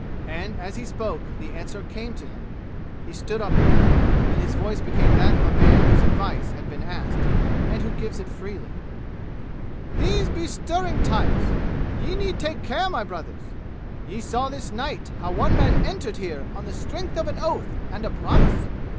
And as he spoke the answer came to him. He stood upright, and his voice became that of a man whose advice has been asked, and who gives it freely. "These be stirring times! Ye need take care, my brothers! Ye saw this night how one man entered here on the strength of an oath and a promise.